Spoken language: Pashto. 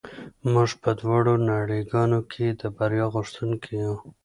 موږ په دواړو نړۍ ګانو کې د بریا غوښتونکي یو